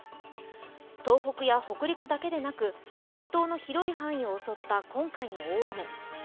東北や北陸だけでなく、列島の広い範囲を襲った今回の大雨。